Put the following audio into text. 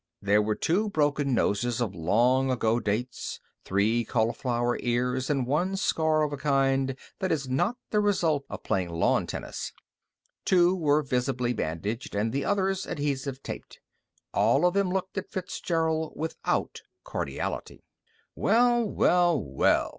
There were two broken noses of long ago dates, three cauliflower ears, and one scar of a kind that is not the result of playing lawn tennis. Two were visibly bandaged, and the others adhesive taped. All of them looked at Fitzgerald without cordiality. "Well, well, well!"